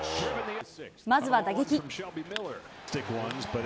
まずは打撃。